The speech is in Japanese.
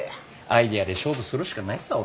アイデアで勝負するしかないさぁ